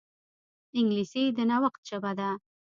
انګلیسي د نوښت ژبه ده